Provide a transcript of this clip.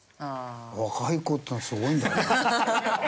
若い子っていうのはすごいんだね。